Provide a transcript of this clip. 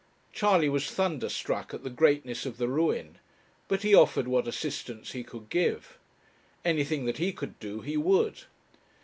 Charley was thunderstruck at the greatness of the ruin, but he offered what assistance he could give. Anything that he could do, he would.